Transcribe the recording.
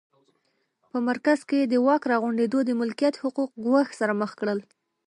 په مرکز کې د واک راغونډېدو د ملکیت حقوق ګواښ سره مخ کړل